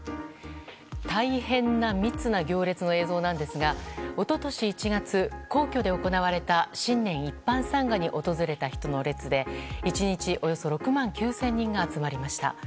大変な密な行列の映像なんですが一昨年１月、皇居で行われた新年一般参賀に訪れた人の列で１日およそ６万９０００人が集まりました。